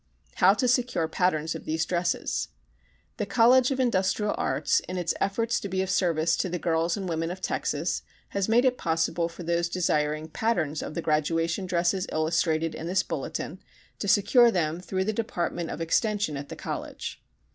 How to Secure Patterns of These Dresses The College of Industrial Arts, in its efforts to be of service to the girls and women of Texas, has made it possible for those desiring patterns of the graduation dresses illustrated in this bulletin to secure them through the Department of Extension of the College.